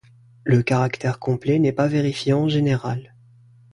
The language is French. Le caractère complet n'est pas vérifié en général.